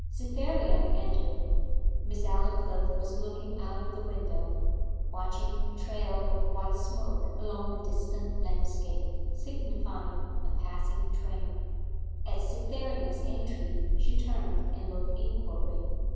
Cytherea entered. Miss Aldclyffe was looking out of the window, watching a trail of white smoke along the distant landscape signifying a passing train. At Cytherea's entry she turned and looked inquiry.